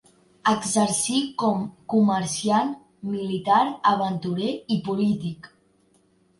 Exercí com comerciant, militar, aventurer i polític.